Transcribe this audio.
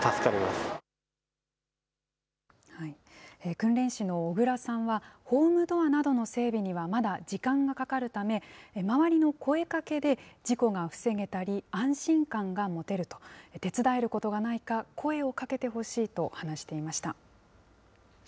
訓練士の小倉さんは、ホームドアなどの整備にはまだ時間がかかるため、周りの声かけで事故が防げたり、安心感が持てると、手伝えることがないか声をかけてほしいと話していました。